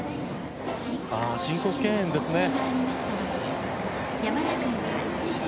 申告敬遠ですね。